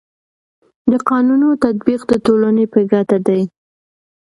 د قانونو تطبیق د ټولني په ګټه دی.